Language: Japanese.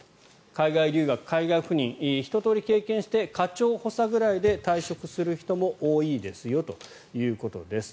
海外留学、海外赴任ひと通り経験して課長補佐くらいで退職する人も多いですよということです。